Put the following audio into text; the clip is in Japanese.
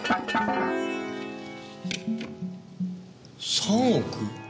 ３億？